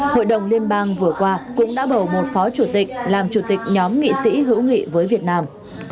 hội đồng liên bang vừa qua cũng đã bầu một phó chủ tịch làm chủ tịch nhóm nghị sĩ hữu nghị với việt nam